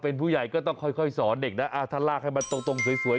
เป็นผู้ใหญ่ก็ต้องค่อยสอนเด็กถ้าลากให้ตกไปเลย